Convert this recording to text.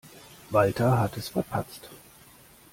Walter hat es verpatzt.